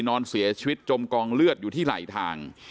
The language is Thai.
นอนเสียชีวิตจมกองเลือดอยู่ที่ไหลทาง